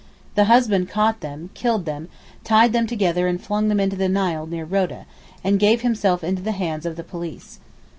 The husband caught them, killed them, tied them together and flung them into the Nile near Rhoda, and gave himself into the hands of the police.